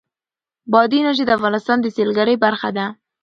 بادي انرژي د افغانستان د سیلګرۍ برخه ده.